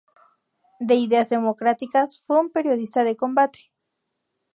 De ideas democráticas, fue un periodista de combate.